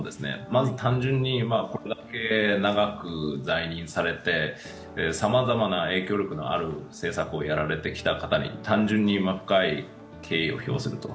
まず単純にこれだけ長く在任されて、さまざまな影響力のある政策をやられてきた方に単純に深い敬意を表すると。